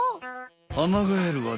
アマガエルはね